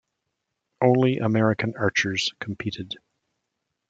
Only American archers competed.